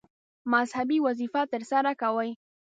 مذهبي وظیفه ترسره کوي.